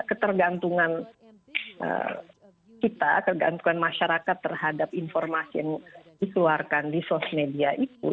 ketergantungan kita ketergantungan masyarakat terhadap informasi yang dikeluarkan di sosmedia itu